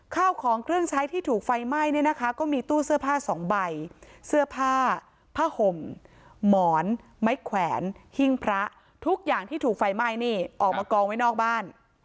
ข้าวของเครื่องใช้ที่ถูกไฟไหม้เนี่ยนะคะก็มีตู้เสื้อผ้าสองใบเสื้อผ้าผ้าห่มหมอนไม้แขวนหิ้งพระทุกอย่างที่ถูกไฟไหม้นี่ออกมากองไว้นอกบ้าน